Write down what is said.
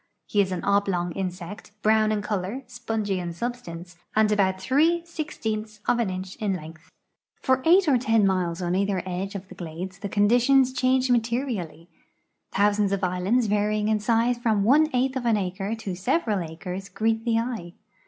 He is an oblong insect, brown in color, spongy in sul)stance, and about three sixteentlis of an inch in length. 390 GEOGRAPHY OF THE SOUTHERN PENINSULA For 8 or 10 miles on either edge of the glades the conditions change materially. Thousands of islands, varying in size from one eighth of an acre to several acres, greet the eye.